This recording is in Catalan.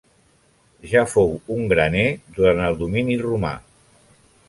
Ja fou un graner durant el domini romà.